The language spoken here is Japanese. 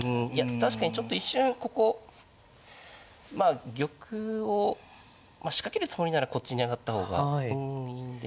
確かにちょっと一瞬ここまあ玉を仕掛けるつもりならこっちに上がった方がいいんですけど。